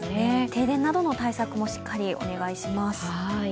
停電などの対策もしっかりお願いします。